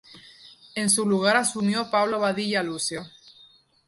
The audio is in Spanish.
En su lugar asumió Pablo Badilla Lucio.